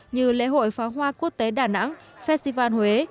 như lễ hội pháo hoa quốc tế đà nẵng festival huế